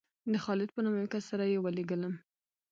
د خالد په نامه یو کس سره یې ولېږلم.